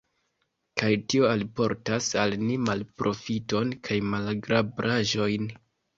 Kaj tio alportas al ni malprofiton kaj malagrablaĵojn.